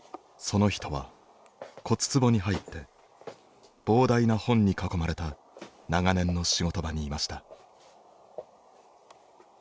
その人は骨つぼに入って膨大な本に囲まれた長年の仕事場にいました。